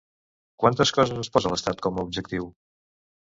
Quantes coses es posà l'estat com a objectiu?